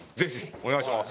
お願いします。